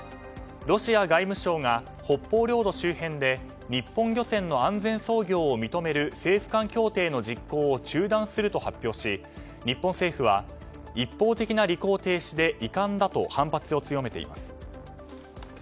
ロシア外務省が北方領土周辺で日本漁船の安全操業を認める政府間協定の実行を中断すると発表し日本政府は一方的な履行停止で遺憾だと反発を強めています。